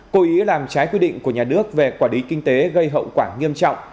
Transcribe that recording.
cố ý làm trái quy định của nhà nước về quản lý kinh tế gây hậu quả nghiêm trọng